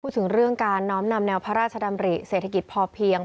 ถึงเรื่องการน้อมนำแนวพระราชดำริเศรษฐกิจพอเพียง